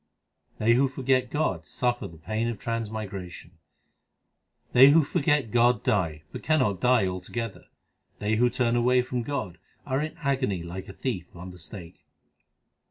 They who forget God suffer the pain of transmi gration : They who forget God die, but cannot die altogether ; They who turn away from God, arc in agony like a thief on the stake.